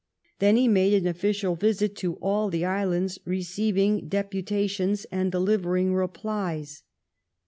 Then he made an official visit to all the islands, receiv ing deputations and delivering replies.